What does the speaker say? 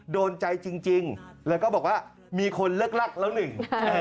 โดนใจจริงแล้วก็บอกว่ามีคนเลิกรักแล้วหนึ่ง